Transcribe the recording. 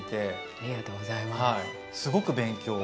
ありがとうございます。